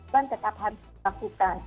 dan tetap harus dilakukan